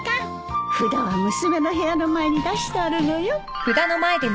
札は娘の部屋の前に出してあるのよ。